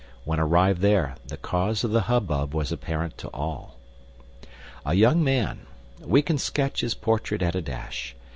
When arrived there, the cause of the hubbub was apparent to all. A young man—we can sketch his portrait at a dash.